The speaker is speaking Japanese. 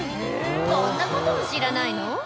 こんなことも知らないの？」